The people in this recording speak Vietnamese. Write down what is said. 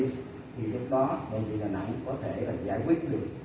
thì trong đó bệnh viện đà nẵng có thể giải quyết được